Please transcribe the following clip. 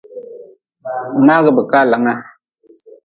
Mngagʼbekaalanga.